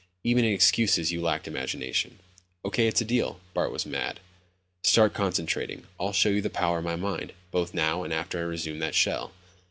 Even in excuses you lacked imagination." "Okay, it's a deal." Bart was mad. "Start concentrating. I'll show you the power of my mind, both now and after I resume that shell."